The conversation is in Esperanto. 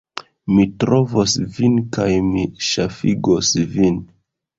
Mi trovos vin, kaj mi ŝafigos vin!